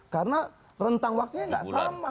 karena rentang waktunya tidak sama